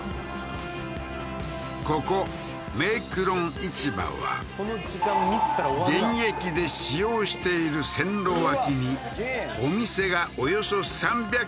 ここメークロン市場は現役で使用している線路脇にお店がおよそ３００軒並び